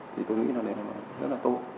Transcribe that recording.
thì tôi nghĩ là nó rất là tốt